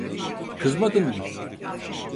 Kızmadın mı?